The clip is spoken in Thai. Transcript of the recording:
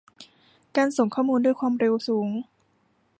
การส่งข้อมูลด้วยความเร็วสูง